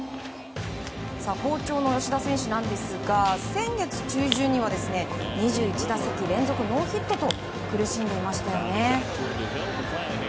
好調の吉田選手なんですが先月中旬には２１打席連続ノーヒットと苦しんでいましたよね。